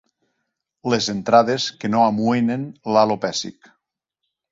Les entrades que no amoïnen l'alopècic.